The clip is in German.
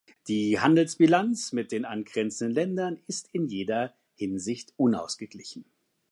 Die Handelsbilanz mit den angrenzenden Ländern ist in jeder Hinsicht unausgeglichen.